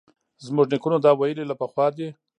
زموږ نیکونو دا ویلي له پخوا دي